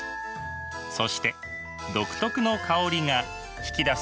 そして独特の香りが引き出されるのです。